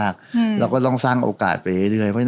ก็แบบ